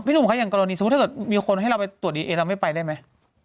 หนุ่มคะอย่างกรณีสมมุติถ้าเกิดมีคนให้เราไปตรวจดีเอนเราไม่ไปได้ไหม